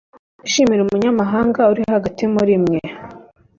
Mwishimire umunyamahanga uri hagati muri mwe